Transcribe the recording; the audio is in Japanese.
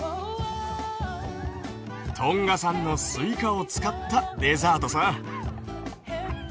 トンガ産のスイカを使ったデザートさ。